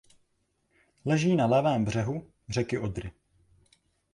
Leží na levém břehu řeky Odry.